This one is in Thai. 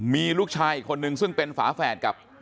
มีลูกชายอีกคนนึงซึ่งเป็นฝาแฝดกับ